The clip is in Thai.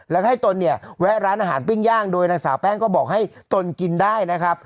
แล้วก็ให้ตนเนี่ยแวะร้านอาหารปิ้งย่างโดยนางสาวแป้งก็บอกให้ตนกินได้นะครับ